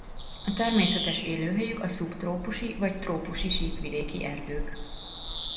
A természetes élőhelyük a szubtrópusi vagy trópusi síkvidéki erdők.